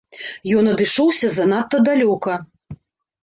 Ён адышоўся занадта далёка.